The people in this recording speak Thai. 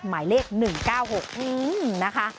หมายเลขหนึ่งเก้าหกอืมนะคะ